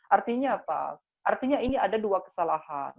artinya apa artinya ini ada dua kesalahan